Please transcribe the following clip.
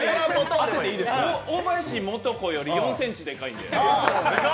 大林素子より４ｃｍでかいので。